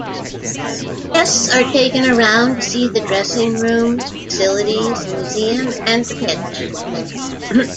Guests are taken around to see the dressing rooms, facilities, museum and the pitch.